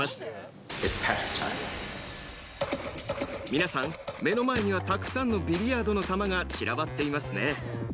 皆さん、目の前にはたくさんのビリヤードの球が散らばっていますね。